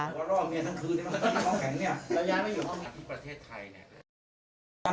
รู้สึกยังไหม